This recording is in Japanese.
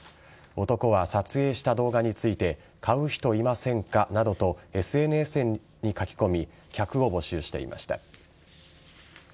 男は撮影した動画について買う人いませんかなどとＳＮＳに書き込み客を募集していました。